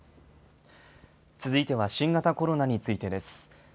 続いては新型コロナについてです。